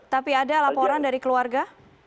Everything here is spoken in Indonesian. tapi ada laporan dari keluarga